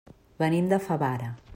Venim de Favara.